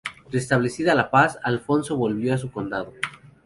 Restablecida la paz, Alfonso volvió a su condado.